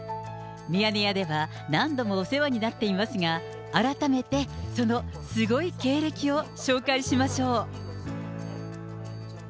ミヤネ屋では、何度もお世話になっていますが、改めてそのすごい経歴を紹介しましょう。